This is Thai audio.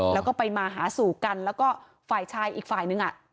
แล้วก็ไปมาหาสู่กันแล้วก็ฝ่ายชายอีกฝ่ายนึง